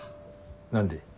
何で？